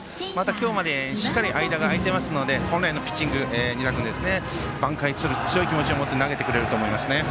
今日までしっかり間空いていますので本来のピッチング挽回する強い気持ちを持って投げてくれると思います。